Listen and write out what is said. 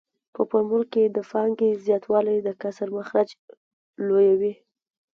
په فورمول کې د پانګې زیاتوالی د کسر مخرج لویوي